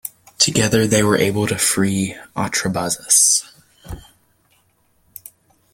Together they were able to free Artabazus.